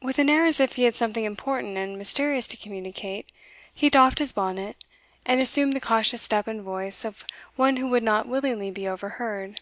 With an air as if he had something important and mysterious to communicate, he doffed his bonnet, and assumed the cautious step and voice of one who would not willingly be overheard.